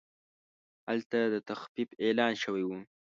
هلته د تخفیف اعلان شوی و.